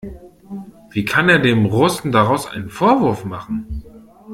Wie kann er dem Russen daraus einen Vorwurf machen?